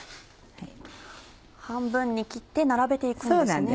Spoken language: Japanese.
半分に切って並べて行くんですね。